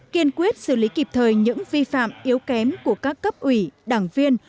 kiên quyết xử lý kịp thời những vi phạm yếu kém của các cấp ủy đảng viên